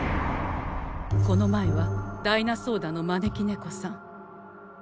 この前はダイナソーダの招き猫さん。